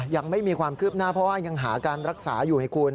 ยังไม่มีความคืบหน้าเพราะว่ายังหาการรักษาอยู่ให้คุณ